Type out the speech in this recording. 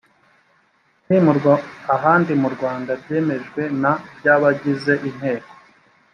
kwimurirwa ahandi mu rwanda byemejwe na by abagize inteko